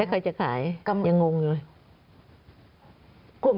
ใครจะขายก็ยังงงอยู่เลย